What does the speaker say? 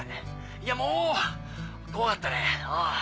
いやもう怖かったねうん。